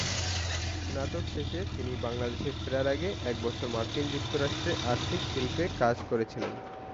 স্নাতক শেষে তিনি বাংলাদেশে ফেরার আগে এক বছর মার্কিন যুক্তরাষ্ট্রে আর্থিক শিল্পে কাজ করেছিলেন।